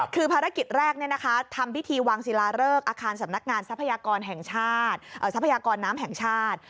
คือภารกิจแรกทำพิธีวางศิลาเริกอาคารสำนักงานทรัพยากรน้ำแห่งชาติ